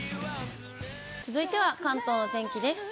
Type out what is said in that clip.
続いては関東のお天気です。